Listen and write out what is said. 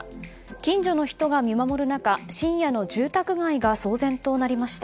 近所の人が見守る中深夜の住宅街が騒然となりました。